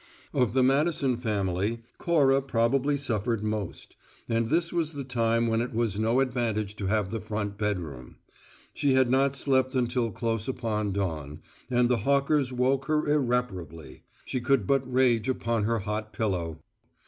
Of the Madison family, Cora probably suffered most; and this was the time when it was no advantage to have the front bedroom. She had not slept until close upon dawn, and the hawkers woke her irreparably; she could but rage upon her hot pillow.